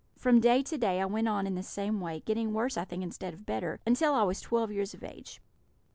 From day to day I went on in the same way, getting worse, I think, instead of better, until I was twelve years of age.